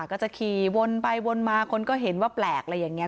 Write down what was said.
ก็จะขี่วนไปวนมาคนก็เห็นว่าแปลกอะไรอย่างนี้